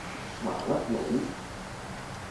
麻甩佬